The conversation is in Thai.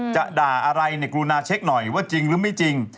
จะด่าอะไรในกรุณาเช็คหน่อยว่าจริงหรือไม่จริง